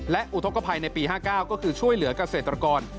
และอุทธกภัยในปี๕๙ก็คือช่วยเหลือกเกษตรกร